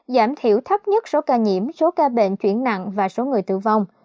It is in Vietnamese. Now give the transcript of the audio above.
giảm thiểu thấp nhất số ca nhiễm số ca bệnh chuyển nặng và số người tử vong